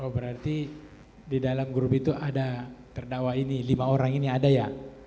berarti di dalam grup itu ada terdakwa ini lima orang ini ada ya